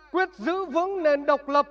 quyết giữ vững nền độc lập